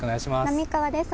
並川です。